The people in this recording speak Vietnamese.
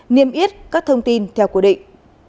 niêm yết các thông tin theo quy định